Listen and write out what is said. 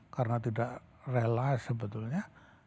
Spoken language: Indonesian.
karena tidak rela sebetulnya